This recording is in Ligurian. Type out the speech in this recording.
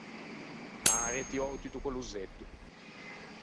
An arretiou tutto quello zetto.